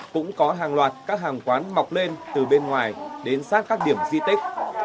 cũng có hàng loạt các hàng quán mọc lên từ bên ngoài đến sát các điểm di tích